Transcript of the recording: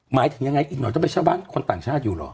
หมายถึงยังไงอีกหน่อยต้องเป็นชาวบ้านคนต่างชาติอยู่เหรอ